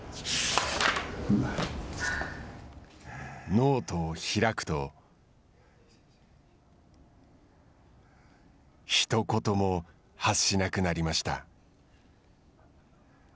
ノートを開くとひと言も発しなくなりました。